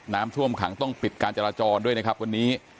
น้ำท่วมขังต้องปิดการจราจรด้วยนะครับวันนี้